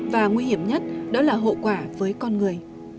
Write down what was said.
và nguy hiểm nhất đó là hậu quả với con người